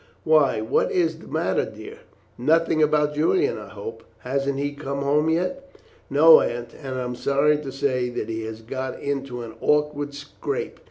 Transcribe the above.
Why, what is the matter, dear? Nothing about Julian, I hope; hasn't he come home yet?" "No, Aunt; and I am sorry to say that he has got into an awkward scrape.